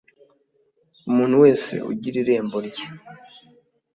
umuntu wese ugira irembo rye